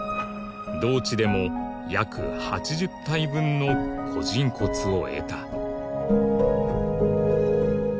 「同地でも約８０体分の古人骨を得た」